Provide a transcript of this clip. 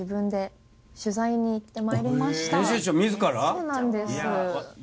そうなんです。